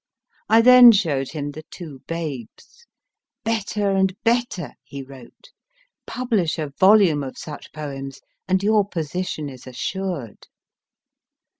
I then showed him the Two Babes. Better and better ! he wrote ; publish a volume of such poems and your position is assured.